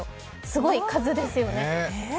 すごい数ですよね。